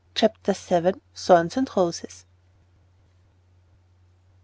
CHAPTER VII. THORNS AND ROSES.